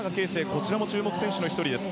こちらも注目選手の１人です。